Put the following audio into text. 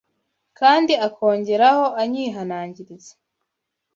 kandi akongeraho anyihanangiriza